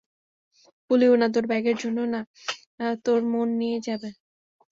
কুলিও না, তোর ব্যাগের জন্যও না, তোর মন নিয়ে যাবে।